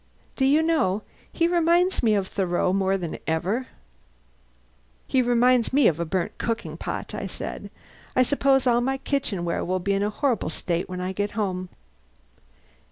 Do you know, he reminds me of Thoreau more than ever." "He reminds me of a burnt cooking pot," I said. "I suppose all my kitchenware will be in a horrible state when I get home."